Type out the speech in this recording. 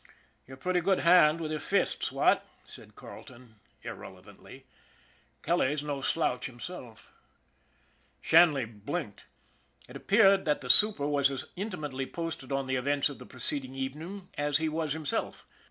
" You're a pretty good hand with your fists, what ?" said Carleton irrelevantly. " Kelly's no slouch him self." SHANLEY'S LUCK 103 Shanley blinked. It appeared that the super was as intimately posted on the events of the preceding evening as he was himself.